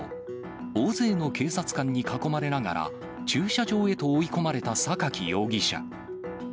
大勢の警察官に囲まれながら、駐車場へと追い込まれた榊容疑者。